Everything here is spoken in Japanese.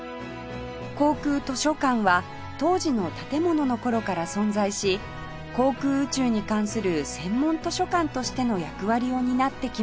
航空図書館は当時の建物の頃から存在し航空宇宙に関する専門図書館としての役割を担ってきました